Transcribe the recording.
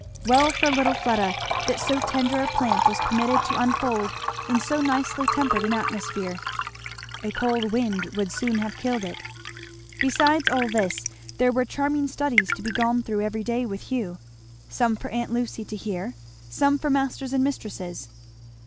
Well for little Fleda that so tender a plant was permitted to unfold in so nicely tempered an atmosphere. A cold wind would soon have killed it. Besides all this there were charming studies to be gone through every day with Hugh; some for aunt Lucy to hear, some for masters and mistresses.